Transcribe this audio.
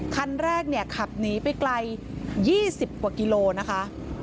คันแรกเนี่ยขับหนีไปไกล๒๐กว่ากิโลนะคะ